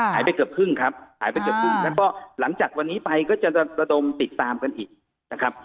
หายไปเกือบครึ่งครับหายไปเกือบครึ่งแล้วก็หลังจากวันนี้ไปก็จะระดมติดตามกันอีกนะครับ